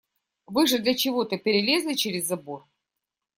Вы же для чего-то перелезли через забор.